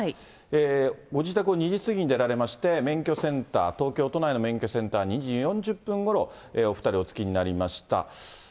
ご自宅を２時過ぎに出られまして、免許センター、東京都内の免許センターに２時４０分ごろ、お２人、お着きになりました。